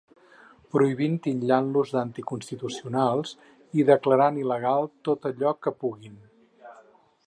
Prohibint, titllant-nos d’anticonstitucionals i declarant il·legal tot allò que puguin.